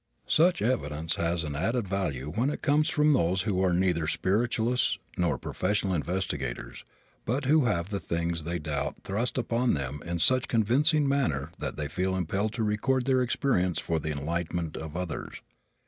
Such evidence has an added value when it comes from those who are neither spiritualists nor professional investigators, but who have the things they doubt thrust upon them in such convincing manner that they feel impelled to record their experience for the enlightenment of others.